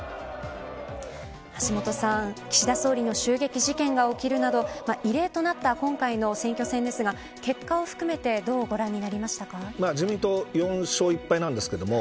橋下さん、岸田総理の襲撃事件が起きるなど異例となった今回の選挙戦ですが結果を含めて自民党４勝１敗なんですけれども。